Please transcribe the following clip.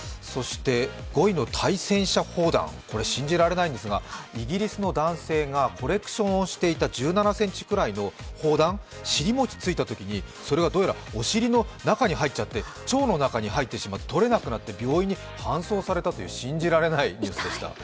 ５位の対戦車砲弾、これ信じられないんですが、イギリスの男性がコレクションをしていた１７ｃｍぐらいの砲弾、尻もちついたときにそれがどうやらお尻の中に入っちゃって腸の中に入ってしまって取れなくなって病院に搬送されたという信じられないニュースでした。